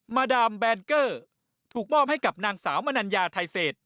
มาดามแบนเกอร์ถูกมอบให้กับนางสาวมนัญญาไทยเศษ